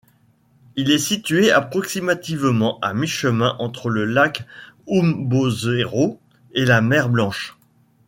Il est situé approximativement à mi-chemin entre le lac Oumbozero et la mer Blanche.